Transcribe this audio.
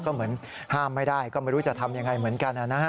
ก็เหมือนห้ามไม่ได้ก็ไม่รู้จะทำยังไงเหมือนกันนะฮะ